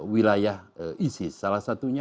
wilayah isis salah satunya